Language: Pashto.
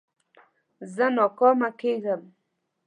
زه ناکامه کېږم.